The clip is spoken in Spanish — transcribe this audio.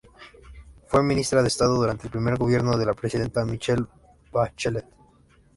Fue ministra de Estado durante el primer gobierno de la presidenta Michelle Bachelet.